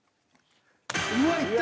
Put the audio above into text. うわいった！